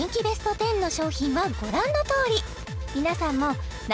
ベスト１０の商品はご覧のとおり皆さんもＮｏ．１